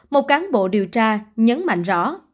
một cán bộ điều tra nhấn mạnh rõ